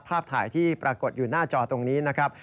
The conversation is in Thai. ภาพถ่ายที่ปรากฏอยู่หน้าจอตรงนี้นะครับ